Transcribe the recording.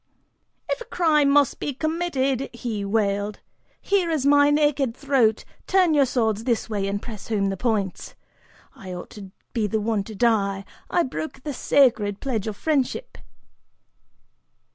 "If a crime must be committed," he wailed, "here is my naked throat, turn your swords this way and press home the points. I ought to be the one to die, I broke the sacred pledge of friendship."